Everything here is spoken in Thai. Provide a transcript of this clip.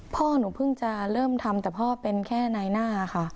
พ่อหนูเพิ่งจะเริ่มทำแต่พ่อเป็นแค่นายหน้าค่ะ